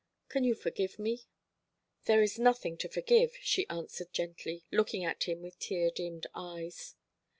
Can you forgive me?" "There is nothing to forgive," she answered gently, looking at him with tear dimmed eyes.